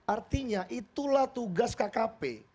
artinya itulah tugas kkp